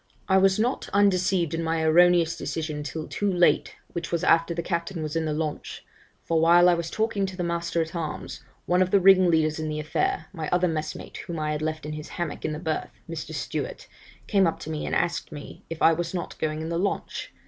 'I was not undeceived in my erroneous decision till too late, which was after the captain was in the launch; for while I was talking to the master at arms, one of the ringleaders in the affair, my other messmate whom I had left in his hammock in the berth (Mr. Stewart), came up to me, and asked me, if I was not going in the launch?